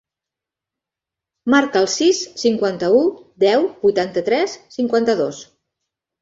Marca el sis, cinquanta-u, deu, vuitanta-tres, cinquanta-dos.